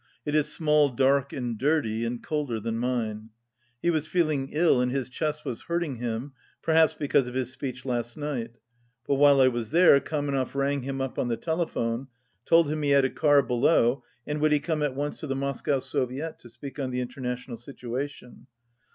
It is small, dark and dirty, and colder than mine. He was feeling ill and his chest was hurting him, perhaps because of his speech last night; but while I was there Kamenev rang him up on the telephone, told him he had a car below, and would he come at once to the Moscow Soviet to speak on the international situation?